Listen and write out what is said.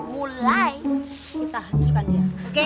mulai kita hancurkan dia